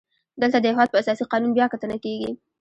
دلته د هیواد په اساسي قانون بیا کتنه کیږي.